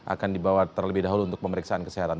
akan dibawa terlebih dahulu untuk pemeriksaan kesehatan